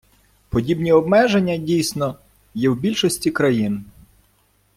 Подібні обмеження, дійсно, є в більшості країн.